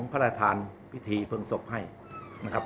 พระราชทานพิธีเพลิงศพให้นะครับ